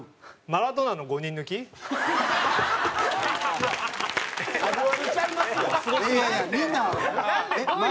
マラドーナの５人抜きを？